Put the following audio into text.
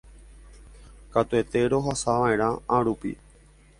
katuete rohasava'erã árupi